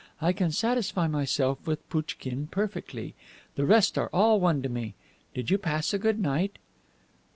I can satisfy myself with Pouchkine perfectly. The rest are all one to me. Did you pass a good night?"